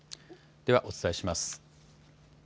ではお伝えします。